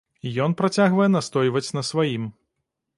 Ён працягвае настойваць на сваім.